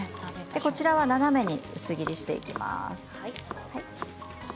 こちらは斜めに薄切りしていきます。